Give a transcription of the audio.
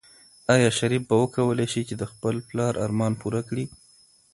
آیا شریف به وکولی شي چې د خپل پلار ارمان پوره کړي؟